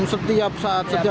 setiap saat ditutup